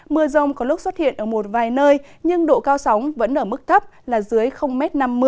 mưa rông có lúc xuất hiện ở một vài nơi nhưng độ cao sóng vẫn ở mức thấp là dưới năm mươi m